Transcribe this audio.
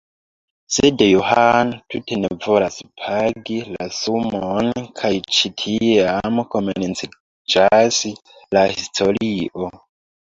Sed Johano tute ne volas pagi la sumon kaj ĉi tiam komenciĝas la historio.